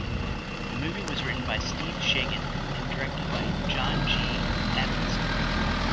The movie was written by Steve Shagan and directed by John G. Avildsen.